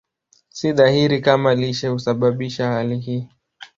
Si dhahiri kama lishe husababisha hali hii.